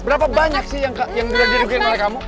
berapa banyak sih yang udah dirigirin oleh kamu